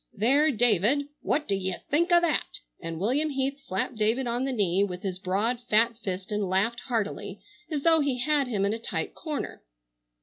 There, David, what do ye think o' that?" and William Heath slapped David on the knee with his broad, fat fist and laughed heartily, as though he had him in a tight corner.